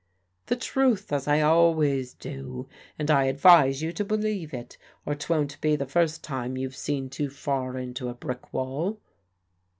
"The truth, as I always do; and I advise you to believe it, or 'twon't be the first time you've seen too far into a brick wall."